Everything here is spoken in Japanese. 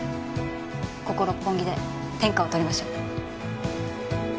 ここ六本木で天下を取りましょう。